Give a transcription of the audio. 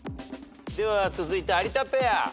では続いて有田ペア。